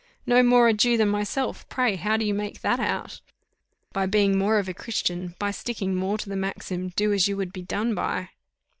"No more a Jew than myself! pray how do you make that out?" "By being more of a Christian by sticking more to the maxim 'Do as you would be done by.